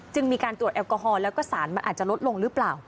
มีการตรวจแอลกอฮอลแล้วก็สารมันอาจจะลดลงหรือเปล่า